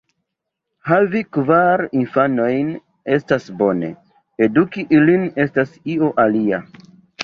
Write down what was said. Havi kvar infanojn estas bone; eduki ilin estas io alia.